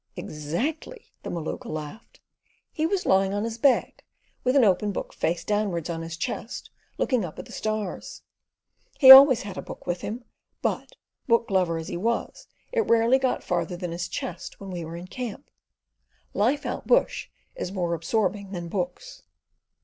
"Exactly," the Maluka laughed. He was Iying on his back, with an open book face downwards on his chest, looking up at the stars. He always had a book with him, but, book lover as he was, it rarely got farther than his chest when we were in camp. Life out bush is more absorbing than books.